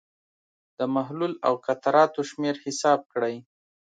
د محلول د قطراتو شمېر حساب کړئ.